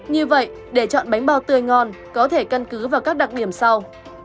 như vậy để chọn bánh bao tươi ngon có thể căn cứ vào các đặc điểm sau